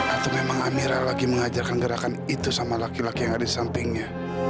atau memang amira lagi mengajarkan gerakan itu sama laki laki yang ada di sampingnya